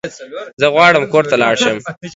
زه غواړم کور ته لاړ شم